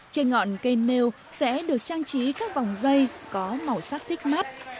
trên ngọn cây nêu sẽ được trang trí các vòng dây có màu sắc thích mắt